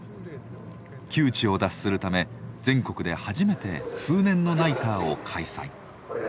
窮地を脱するため全国で初めて通年のナイターを開催。